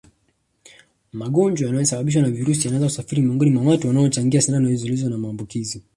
Magonjwa yanayosababishwa na virusi yanaweza kusafiri miongoni mwa watu wanaochangia sindano zilizo na maambukizi